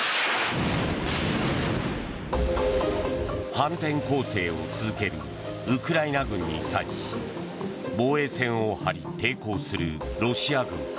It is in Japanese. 反転攻勢を続けるウクライナ軍に対し防衛線を張り抵抗するロシア軍。